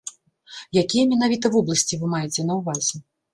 Якія менавіта вобласці вы маеце на ўвазе?